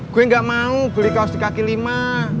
gue gak mau beli kaos di kaki lima